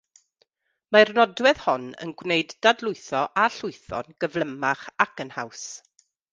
Mae'r nodwedd hon yn gwneud dadlwytho a llwytho'n gyflymach ac yn haws.